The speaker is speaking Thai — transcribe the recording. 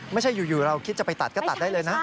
ไม่ใช่อยู่เราคิดจะไปตัดก็ตัดได้เลยนะ